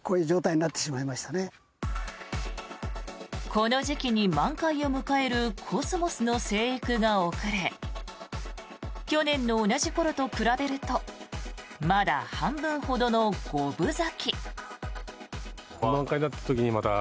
この時期に満開を迎えるコスモスの生育が遅れ去年の同じ頃と比べるとまだ半分ほどの五分咲き。